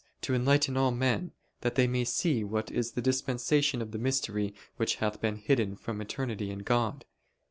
. to enlighten all men, that they may see what is the dispensation of the mystery which hath been hidden from eternity in God.